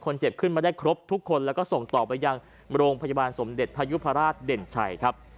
เจ็บขึ้นมาได้ครบทุกคนแล้วก็ส่งต่อไปยังโรงพยาบาลสมเด็จพยุพราชเด่นชัยครับ